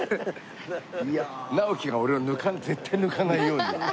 ナオキが俺を絶対抜かないようにって。